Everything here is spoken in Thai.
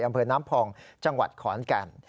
อำเภอน้ำพองจังหวัดขอนแก่น